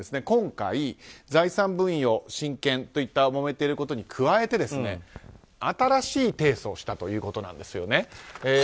今回、財産分与、親権といったもめていることに加えて新しい提訴をしたということです。